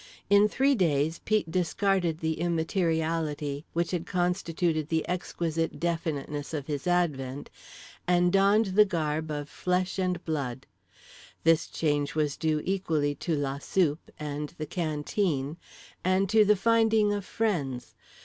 In three days Pete discarded the immateriality which had constituted the exquisite definiteness of his advent, and donned the garb of flesh and blood. This change was due equally to La Soupe and the canteen, and to the finding of friends.